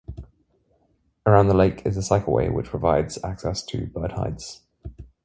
Around the lake is a cycle way which provides access to bird hides.